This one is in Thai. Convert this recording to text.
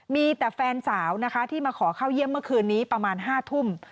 มีแต่แฟนสาวนะคะที่มาขอเข้าเยี่ยมเมื่อคืนนี้ประมาณ๕ทุ่ม